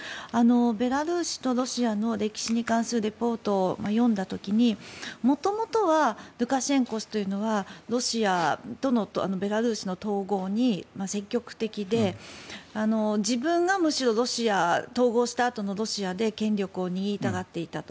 ベラルーシとロシアの歴史に関するリポートを読んだ時に元々はルカシェンコ氏というのはロシアとのベラルーシとの統合に積極的で自分がむしろ統合したあとのロシアで権力を握りたがっていたと。